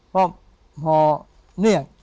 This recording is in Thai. พ่อเรียก